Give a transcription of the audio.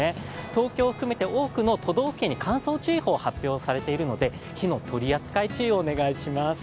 東京を含めて多くの都道府県に乾燥注意報が発表されているので、火の取り扱い注意をお願いします。